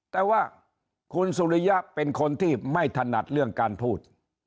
แต่ว่าคุณสุริยะเป็นคนที่ไม่ถนัดเรื่องการพูด